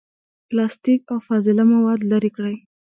پلاستیک، او فاضله مواد لرې کړي.